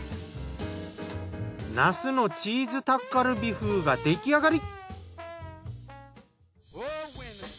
なすのチーズタッカルビ風が出来上がり。